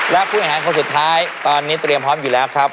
และผู้อาหารคนสุดท้ายตอนนี้เตรียมพร้อมอยู่แล้วครับ